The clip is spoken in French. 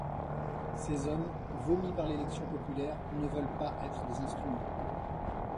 Ces hommes, vomis par l’élection populaire, ne veulent pas être des instruments.